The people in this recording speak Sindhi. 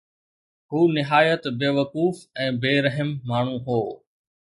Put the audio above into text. هُو نهايت بيوقوف ۽ بي رحم ماڻهو هو